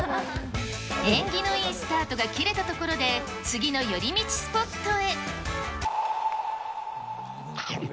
縁起のいいスタートが切れたところで、次の寄り道スポットへ。